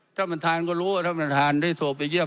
ท่านประธานก็รู้ว่าท่านประธานได้โทรไปเยี